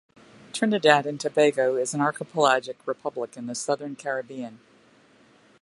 Trinidad and Tobago is an archipelagic republic in the southern Caribbean.